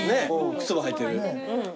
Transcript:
靴も履いてる。